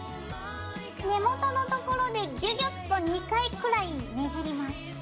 根元のところでギュギュッと２回くらいねじります。